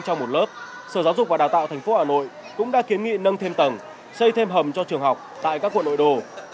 trong một lớp sở giáo dục và đào tạo tp hà nội cũng đã kiến nghị nâng thêm tầng xây thêm hầm cho trường học tại các quận nội đô